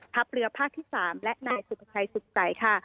ทัพเรือภาคที่สามและนายสุขชัยสุขใจค่ะ